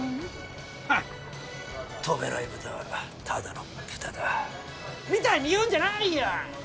ふっ「飛べない豚はただの豚だ」みたいに言うんじゃないよ！